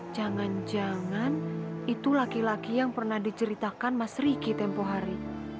jangan jangan itu laki laki yang pernah diceritakan mas riki tempohari